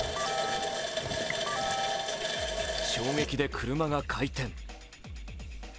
衝撃で車が回転。